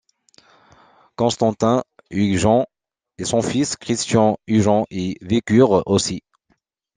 Constantin Huygens et son fils Christian Huygens y vécurent aussi.